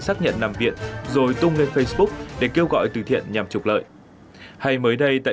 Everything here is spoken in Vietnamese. xác nhận nằm viện rồi tung lên facebook để kêu gọi từ thiện nhằm trục lợi hay mới đây tại